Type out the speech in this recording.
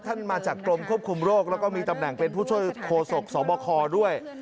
มาจากกรมควบคุมโรคแล้วก็มีตำแหน่งเป็นผู้ช่วยโคศกสบคด้วย